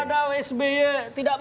tidak mungkin kita bermain di situ